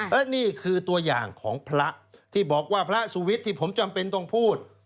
และนี่คือตัวอย่างของพระที่บอกว่าพระสุวิทย์ที่ผมจำเป็นต้องพูด